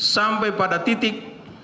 sampai pada titik